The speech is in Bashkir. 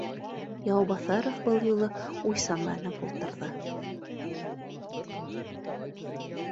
Яубаҫаров был юлы уйсанланып ултырҙы: